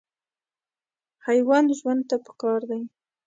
حیوان ژوند ته پکار دی.